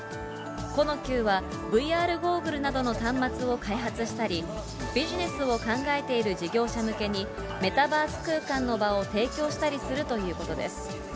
コノキューは、ＶＲゴーグルなどの端末を開発したり、ビジネスを考えている事業者向けに、メタバース空間の場を提供したりするということです。